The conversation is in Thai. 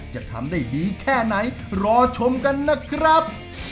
จะทำได้ดีแค่ไหนรอชมกันนะครับ